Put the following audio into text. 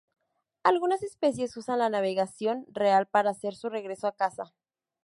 Algunas especies usan la navegación real para hacer su regreso a casa.